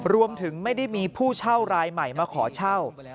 รวมถึงไม่ได้มีผู้เช่ารายใหม่มาขอเช่า